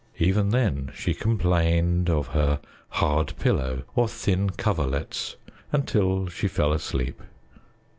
Even then she complained of her hard pillow or thin coverlets until she fell asleep.